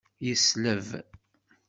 Yesleb.